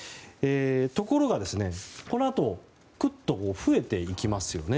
ところが、このあとくっと増えていきますよね。